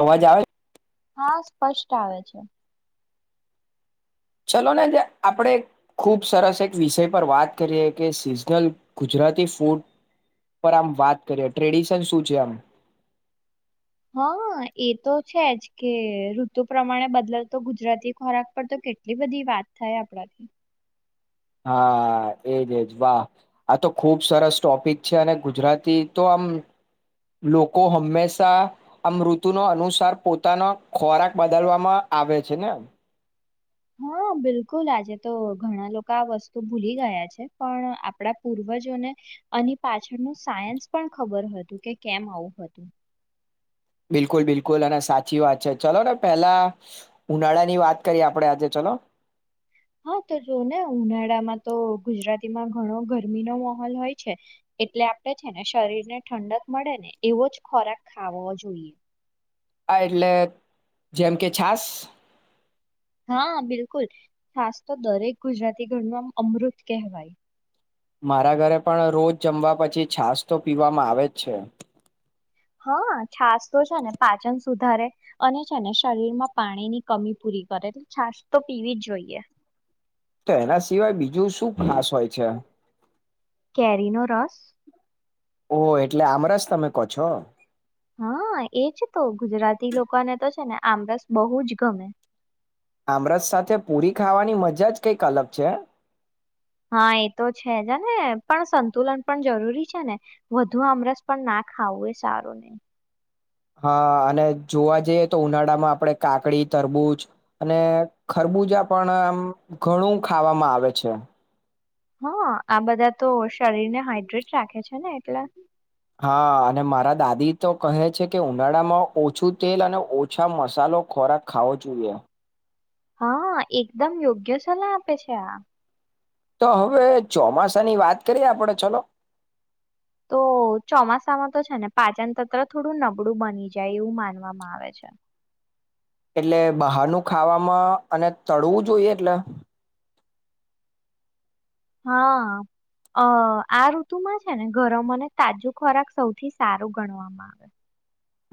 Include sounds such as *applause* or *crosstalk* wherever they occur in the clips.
અવાજ આવે હા સ્પષ્ટ આવે છે ચલો ને જે આપણે ખુબ સરસ એક વિષય પર વાત કરીએ કે સિઝનલ ગુજરાતી ફૂડ પર આમ વાત કરીએ ટ્રેડિશન શું છે આમ હા એ તો છે જ કે ઋતુ પ્રમાણે બદલતો ગુજરાતી ખોરાક પર તો કેટલી બધી વાત થાય આપણાથી હા એજ એજ વાહ આ તો ખુબ સરસ ટોપિક છે અને ગુજરાતી તો આમ લોકો હંમેશા આમ ઋતુનો અનુસાર પોતાનો ખોરાક બદલવામાં આવે છે ને હા બિલકુલ આજે તો ઘણા લોકો આ વસ્તુ ભૂલી ગયા છે પણ આપડા પૂર્વજોને આની પાછળનું સાયન્સ પણ ખબર હતું કે કેમ આવું હતું બિલકુલ બિલકુલ અને સાચી વાત છે ચલો ને પેલા ઉનાળા ની વાત કરીએ આપડે આજે ચલો હા તો જો ને ઉનાળામાં તો ગુજરાતીમાં ઘણો ગરમીનોો માહોલ હોય છે એટલે આપણે છે ને શરીર ને ઠંડક મળે ને એવો જ ખોરાક ખાવો જોઈએ એટલે જેમ કે છાસ હા બિલકુલ ખાસ તો દરેક ગુજરાતી ગણવામ અમૃત કહેવાય મારા ઘરે પણ રોજ જમવા પછી છાશ તો પીવામાં આવે જ છે હા છશ તો છે ને પાચન સુધારે અને છે ને શરીર માં પાણી ની કમી પૂરી કરે એટલે છશ તો પીવી જ જોઈએ તો એના સિવાય બીજું શું ખાસ હોય છે કેરિનોો રસ ઓહ એટલે આમરા જ તમે કહો છો હા એજ તો ગુજરાતી લોકોને તો છે ને આમ બસ બહુ જ ગમે આમ્રત સાથે પૂરી ખાવાની મજા જ કઈક અલગ છે હા એ તો છે જને પણ સંતુલન પણ જરૂરી છે ને વધુ આમરસ પણ ના ખાવું એ સારું નહી હા અને જોવા જઈએ તો ઉનાળામાં આપણે કાકડી તરબૂજ અને ખરબૂજા પણ આમ ઘણું ખાવામાં આવે છે હા આ બધા તો શરીર ને હાઈડ્રેટ રાખે છે ને એટલા હા અને મારા દાદી તો કહે છે કે ઉનાળામાં ઓછું તેલ અને ઓછા મસાલો ખોરાક ખાવો જોઈએ હા એકદમ યોગ્ય સલાહ આપે છે આ તો હવે ચોમાસાની વાત કરીએ આપડે ચલો તો ચોમાસામાં તો છે ને પાચન તંત્ર થોડું નબળું બની જાય એવું માનવામાં આવે છે. એટલે બહારનું ખાવામાં અને તળવું જોઈએ એટલે હા અ આ ઋતુમાં છે ને ગરમ અને તાજું ખોરાક સૌથી સારું ગણવામાં આવે.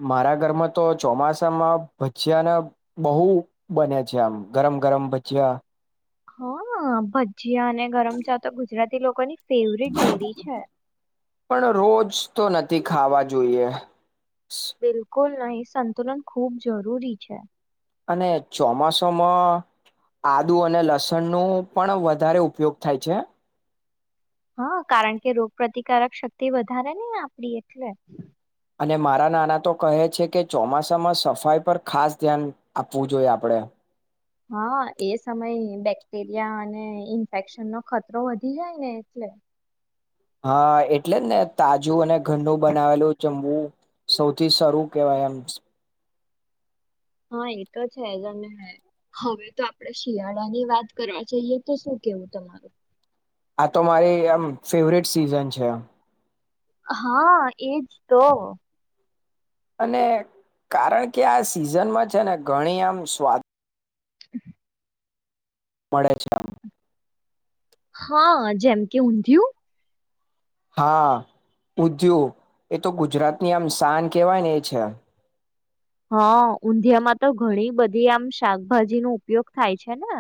મારા ઘરમાં તો ચોમાસામાં ભજીયાને બહુ બને છે આમ ગરમ ગરમ ભજીયા. હા ભજીયા અને ગરમ ચા તો ગુજરાતી લોકો ની પણ રોજ તો નથી ખાવા જોઈએ. કુલ નહીં સંતુલન ખૂબ જરૂરી છે. અને ચોમાસમાં આદુ અને લસણ નું પણ વધારે ઉપયોગ થાય છે. હા કારણ કે રોગ પ્રતિકારક શક્તિ વધારે નહી આપડી એટલે. અને મારા નાના તો કહે છે કે ચોમાસામાં સફાઈ પર ખાસ ધ્યાન આપવું જોઈએ આપણે. હા એ સમયે બેક્ટેરિયા અને ઇન્ફેક્શનનો ખતરો વધી જાય ને એટલે. હા એટલે જ ને તાજું અને ઘરનું બનાવેલું જમવું સૌથી સારું કેવાય એમ. હા એક જ હેજ હે હવે તો આપણે શિયાળાની વાત કરવા જઈએ તો શું કેવું તમારું? આ તો મારે આમ ફેવરેટ સીઝન છે. હા એજ તો. અને કારણ કે આ સિઝનમાં છે ને ઘણી આમ સ્વાદ *inaudible* મળે છે. આમ. હ. જેમ કે ઊંધિયું? હા, ઉંધીયું એ તો ગુજરાત ની આમ શાન કેવાય ને એ છે. હા. ઊંધીયામાં તો ઘણી બધી આમ શાકભાજી નો ઉપયોગ થાય છે ને.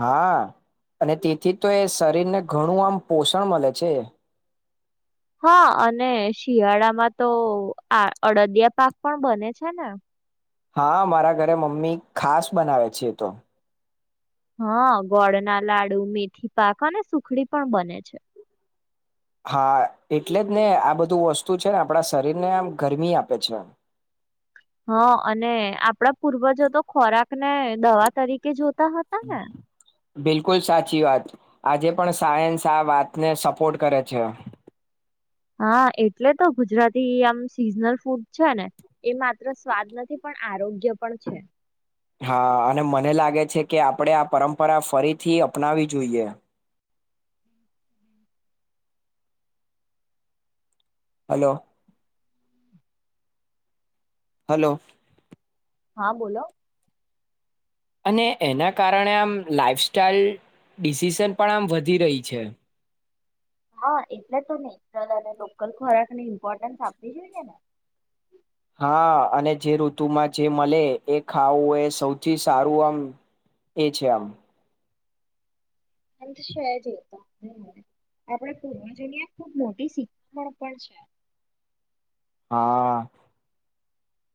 હા, અને તેથી તો એ શરીર ને ઘણું આમ પોષણ મળે છે. હા, અને શિયાળામાં તો આ અડદિયા પાક પણ બને છે ને. હા મારા ઘરે મમ્મી ખાસ બનાવે છે. એતો હા, ગોળના લાડુ, મેથી પાક, અને સુખડી પણ બને છે. હા, એટલે જ ને આ બધું વસ્તુ છે ને આપણા શરીરને આમ ગરમી આપે છે. હા, અને આપડા પૂર્વજો તો ખોરાક ને દવા તરીકે જો બિલકુલ, સાચી વાત. આજે. પણ સાયન્સ આ વાતને સપોર્ટ કરે છે. હા, એટલે તો ગુજરાતી આમ સિઝનલ ફૂડ છે ને એ માત્ર સ્વાદ નથી પણ આરોગ્ય પણ છે. હા અને મને લાગે છે કે આપણે આ પરંપરા ફરીથી અપનાવી જોઈએ. હલો! હલો! હા. બોલો. અને એના કારણે આમ લાાઈફસ્ટાઈલ ડિસિશન પણ આમ વધી રહી છે. હા એટલે તો નેચરલ અને લોકલ ખોરાક ની ઇમ્પોર્ટન્સ આપવી જોઈએ ને. હા અને જે ઋતુમાં જે મળે એ ખાવું એ સૌથી સારું આમ એ છે‌ આમ. છે જ આપણેે પૂર્વજો નિયે ખૂબ મોટી શીખામણ પણ છે. હા,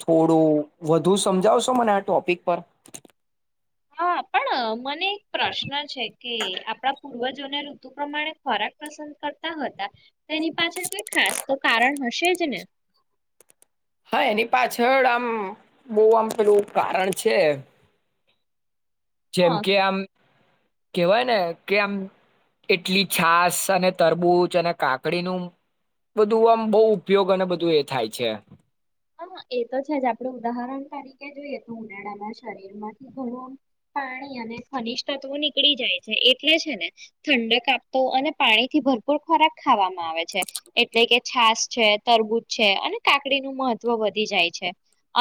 થોડું વધુ સમજાવશો મને આ ટોપિક પર. હા, પણ મને એક પ્રશ્ન છે કે આપણાં પૂર્વજોને ઋતુ પ્રમાણે ખોરાક પસંદ કરતા હતાં. તેની પાછળ કોઈ ખાસ તો કારણ હશે જ ને. હા, એની પાછળ આમ બહુ આમ પેલું કારણ છે. જેમ હા કે આમ. કેહવાય ને કે આમ એટલી છાસ અને તરબૂચ, અને કાકડીનું બધું આમ બહુ ઉપયોગ અને બધું એ થાય છે. હા એ તો છે જ આપણેે ઉદાહરણ તરીકે જોઈએ તો ઉનાળામાં શરીરમાંથી ઘણું પાણી અને ખનીજ તત્વો નીકળી જાય છે એટલે છે ને ઠંડક આપતો અને પાણીથી ભરપૂર ખોરાક ખાવામાં આવે છે એટલે કે છાસ છે, તરબૂજ છે અને કાકડીનું મ ત્વ વધી જાય છે.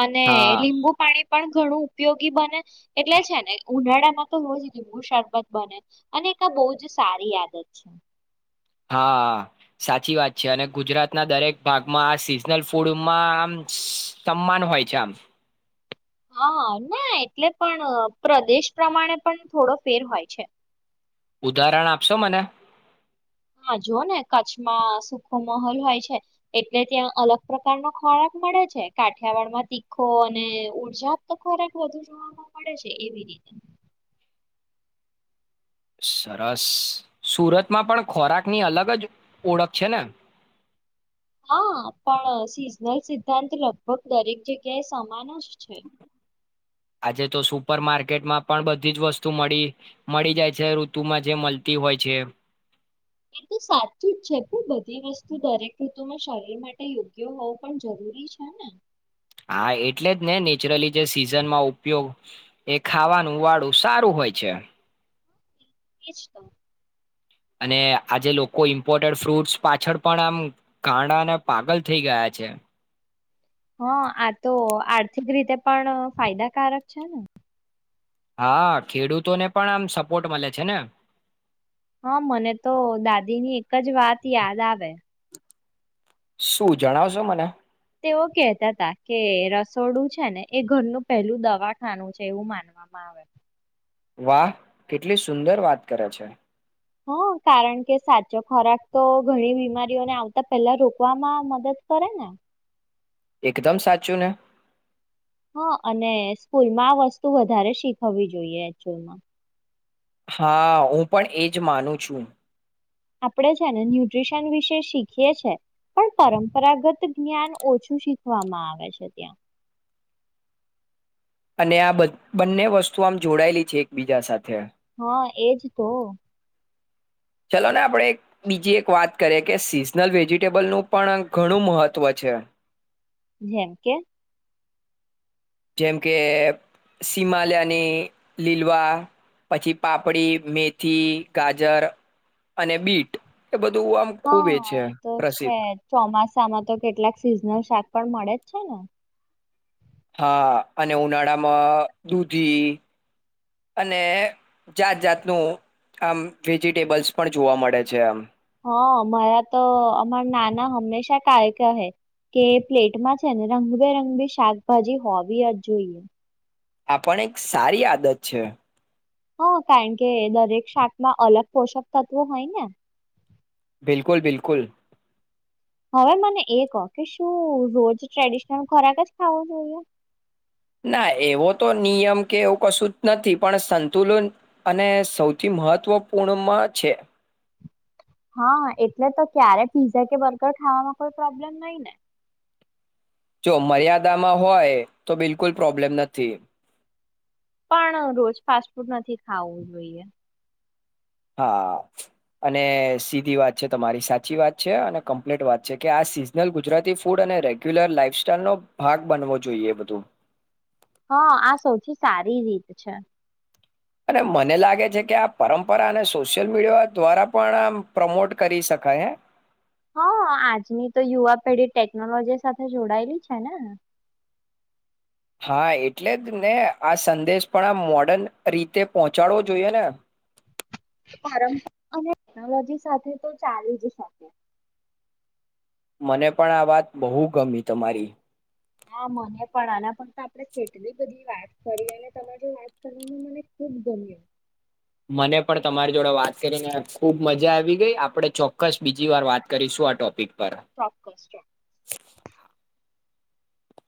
અને હા લીંબુ પાણી પણ, ઘણું ઉપયોગી બને એટલે છે. ને ઉનાળામાં તો હો જ લીંબુ શરબત બને અને એક આ બહુ જ સારી આદત છે. *unintelligible* હા. સાચી વાત છે. અને ગુજરાતના દરેક ભાગમાં આ સિઝનલ ફૂડમાં આમ સમાન હોય છે. આમ *unintelligible* *unintelligible* હા. ના એટલે પણ પ્રદેશ પ્રમાણે પણ થોડો ફેર હોય છે. ઉદાહરણો આપશો મને. હા જો ને કચ્છમાં સુખો મહોલ હોય છે એટલે ત્યાં અલગ પ્રકારનો ખોરાક મળે છે કાઠિયાવાડમાં તીખો અને ઉર્જા આપતો ખોરાક વધુ જોવા મળે છે એવી રીતે. સરસ સુરતમાં પણ ખોરાકની અલગ જ ઓળખ છે ને! હા પણ સિઝનલ સિદ્ધાંત લગભગ દરેક જગ્યાએ સમાન જ છે. આજે તો સુપર માર્કેટમાં પણ બધી જ વસ્તુ મળી મળી જાય છે ઋતુમાં જે મલતી હોય છે. એ તો સાચું જ છે પણ બધી વસ્તુ દરેકને શરીર માટે યોગ્ય હોવું પણ જરૂરી છે ને! હા એટલે જ ને નેચરલી જે સિઝનમાં ઉપયોગ એ ખાવાનું વાળું સારું હોય છે. એજ તો. અને આજે લોકો ઇમ્પોર્ટેડ ફ્રૂટ્સ પાછળ પણ આમ ગાડાને પાગલ થઈ ગયા છે. હા આ તો આર્થિક રીતે પણ ફાયદાકારક છે ને? હા ખેડૂતોને પણ આમ સપોર્ટ મળે છે ને હા મને તો દાદીની એક જ વાત યાદ આવે. શું જણાવશો મને તેઓ કેતા હતા કે રસોડું છે ને એ ઘરનું પહેલું દવાખાનું છે એવું માનવામાં આવે. વાહ કેટલી સુંદર વાત કરે છે. હા કારણ કે સાચો ખોરાક તો ઘણી બીમારીઓને આવતા પેલા રોકવામાં મદદ કરે ને એકદમ સાચું ને. હા અને સ્કૂલમાં આ વસ્તુ વધારે શીખવવી જોઈએ એચુલમાં હા હું પણ એજ માનું છુ. આપણે છે ને ન્યુટ્રીશન વિશે શીખીએ છે પણ પરંપરાગત જ્ઞાન ઓછું શીખવામાં આવે છે, ત્યાં અને આ બંને વસ્તુ આમ જોડાયેલી છે એકબીજા સાથે હા એજ તો ચલો ને આપણે બીજી એક વાત કરીએ કે સિઝનલ વેજીિટેબલનું પણ ઘણું મહત્વ છે. જેમ કે જેમ કે સિમાલયાની લીલવા પછી પાપડી મેથી ગાજર અને બીટ એ બધું આમ ખુબ હા છે એ તો છે પ્રસિદ્ધ ચોમાસામાં તો કેટલાક સિઝનલ શાક પણ મળે. હલ્લો. હા અને ઉનાળામાં દૂધી અને જાત જાતનું આમ વેજિટેબલ્સ પણ જોવા મળે છે આમ. હા મારા તો અમાર નાના હંમેશા કા કહે કે પ્લેટમાં છે ને રંગબેરંગી શાકભાજી હોવી જ જોઈએ. આ પણ એક સારી આદત છે. હા કારણ કે દરેક શાકમાં અલગ પોષક તત્વો હોય ને બિલકુલ બિલકુલ હવે મને એ કહો કે શું રોજ ટ્રેડિશનલ ખોરાક જ ખાવો જોઈએ. ના એવો તો નિયમ કે એવું કશું જ નથી પણ સંતુલન અને સૌથી મહત્ત્વપૂર્ણમાં છે. હા એટલે તો ક્યારે પીઝા કે બર્ગર ખાવામાં કોઈ પ્રોબ્લેમ નઈ ને. જો મર્યાદામાં હોય તો બિલકુલ પ્રોબ્લેમ નથી. પણ રોજ ફાસ્ટ ફૂડ નથી ખાવું જોઈએ. હા અને સીધી વાત છે તમારી સાચી વાત છે અને કમ્પ્લીટ વાત છે કે આ સિઝનલ ગુજરાતી ફૂડ અને રેગ્યુલર લાાઈફસ્ટાઈલનોો ભાગ બનવો જોઈએ બધું હા આ સૌથી સારી રીત છે. અને મને લાગે છે કે આ પરંપરા અને સોશિયલ મીડિયા દ્વારા પણ આમ પ્રમોટ કરી શકાય હે. હા આજની તો યુવા પેઢી ટેકનોલોજી સાથે જોડાયેલી છે ને. હા એટલે જ ને આ સંદેશ પણ આ મોર્ડન રીતે પહોંચાડવો જોઈએ ને પરંપરા અને ટેકનોલોજી સાથે તો ચાલી જ શકે મને પણ આ વાત બહુ ગમી તમારી હા મને પણ આલા પણ તો આપણે કેટલી બધી વાત કરી અને તને જો વાત કરી મને ખુબ ગમ્યું મને પણ તમારી જોડે વાત કરીને ખુબ મજા આવી ગઈ આપડણે ચોક્કસ બીજી વાર વાત કરીશું આ ટોપિક પર સપન્સ્ટ